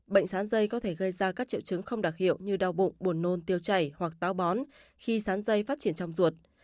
bệnh sán dây có thể gây ra các triệu chứng không đặc hiệu như đau bụng buồn nôn tiêu chảy hoặc táo bón khi sán dây phát triển trong ruột